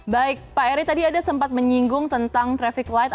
baik pak eri tadi ada sempat menyinggung tentang traffic light